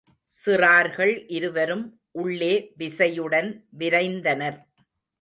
சிறார்கள் இருவரும் உள்ளே விசையுடன் விரைந்தனர்.